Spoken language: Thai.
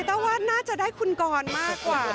ว่าน่าจะได้คุณกรมากกว่า